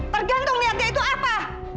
tergantung niatnya itu apa